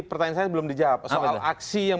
pertanyaan saya belum dijawab soal aksi yang